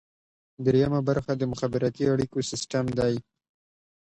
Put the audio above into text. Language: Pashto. دریمه برخه د مخابراتي اړیکو سیستم دی.